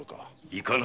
いかな